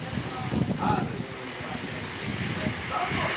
さあということでございましてつづいてだい３もん。